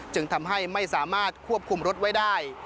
จึงทำให้ไม่สามารถควบคุมรถไว้ได้